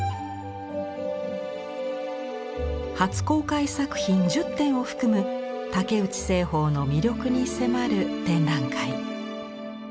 初公開作品１０点を含む竹内栖鳳の魅力に迫る展覧会。